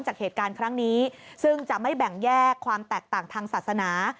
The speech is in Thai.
จากเหตุการณ์ครั้งนี้ซึ่งจะไม่แบ่งแยกความแตกต่างทางศาสนา